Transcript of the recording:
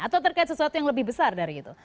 atau terkait sesuatu yang lebih besar dari itu